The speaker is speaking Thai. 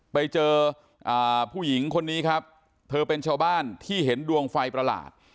ไปเจอผู้หญิงคนนี้ครับเธอเป็นชาวบ้านที่เห็นดวงไฟประหลาด